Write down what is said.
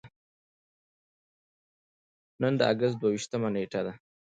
نن د اګست دوه ویشتمه نېټه ده.